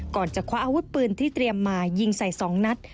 ก่อนจะคว้าอาวุธปืนที่เตรียมมายิงใส่๒นัด